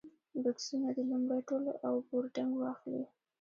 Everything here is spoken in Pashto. بکسونه دې لومړی تول او بورډنګ واخلي.